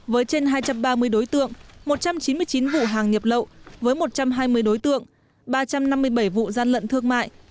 với trên hai trăm ba mươi đối tượng một trăm chín mươi chín vụ hàng nhập lậu với một trăm hai mươi đối tượng ba trăm năm mươi bảy vụ gian lận thương mại